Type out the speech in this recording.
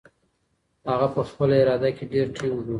هغه په خپله اراده کې ډېر ټینګ و.